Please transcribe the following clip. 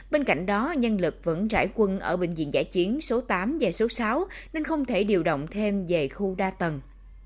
bên cạnh đó nhân lực vẫn giải quân ở bệnh viện giải chiến số tám và số sáu nên không thể điều động thêm về khu đa tầng